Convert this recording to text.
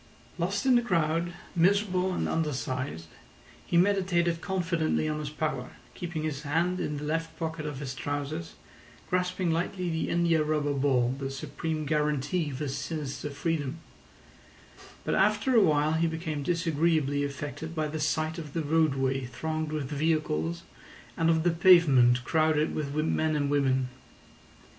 Lost in the crowd, miserable and undersized, he meditated confidently on his power, keeping his hand in the left pocket of his trousers, grasping lightly the india rubber ball, the supreme guarantee of his sinister freedom; but after a while he became disagreeably affected by the sight of the roadway thronged with vehicles and of the pavement crowded with men and women.